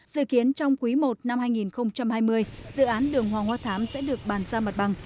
dự kiến trong quý i năm hai nghìn hai mươi dự án đường hoàng hoa thám sẽ được bàn giao mặt bằng